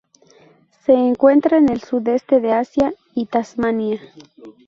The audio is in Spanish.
Se encuentra en el Sudeste de Asia y Tasmania.